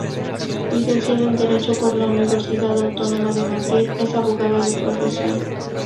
Licenciada en Derecho por la Universidad Autónoma de Madrid, es abogada de profesión.